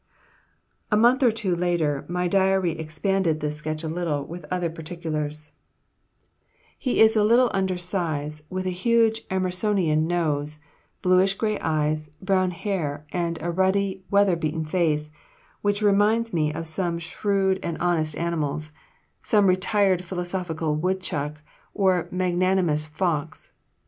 A month or two later my diary expanded this sketch a little, with other particulars: "He is a little under size, with a huge Emersonian nose, bluish gray eyes, brown hair, and a ruddy weather beaten face, which reminds me of some shrewd and honest animal's some retired philosophical woodchuck or magnanimous fox.